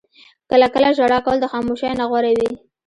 • کله کله ژړا کول د خاموشۍ نه غوره وي.